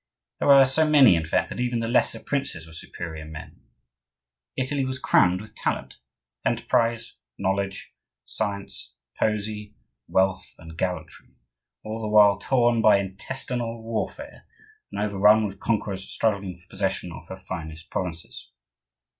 There were so many, in fact, that even the lesser princes were superior men. Italy was crammed with talent, enterprise, knowledge, science, poesy, wealth, and gallantry, all the while torn by intestinal warfare and overrun with conquerors struggling for possession of her finest provinces.